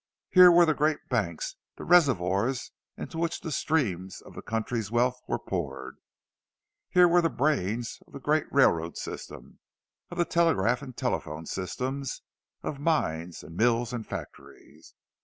Here were the great banks, the reservoirs into which the streams of the country's wealth were poured. Here were the brains of the great railroad systems, of the telegraph and telephone systems, of mines and mills and factories.